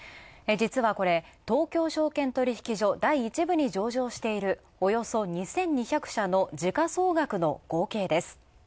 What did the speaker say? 実はこれ、東京証券取引所第一部に上場しているおよそ２２００社の時価総額の合計です。